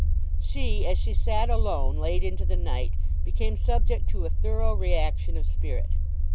She, as she sat alone, late into the night, became subject to a thorough reaction of spirit.